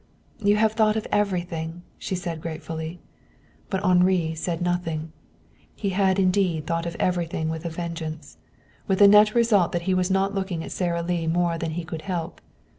"You have thought of everything," she said gratefully. But Henri said nothing. He had indeed thought of everything with a vengeance, with the net result that he was not looking at Sara Lee more than he could help.